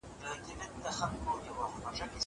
زه درسونه لوستي دي!